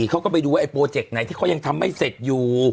เค้าก็ไปดูไอ้โปรเจ็คไหนที่เค้ายังทำให้เสร็จอยู่